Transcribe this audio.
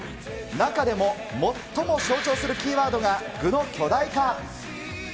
中でも、最も象徴するキーワードが具の巨大化。